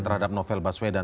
terhadap novel baswedan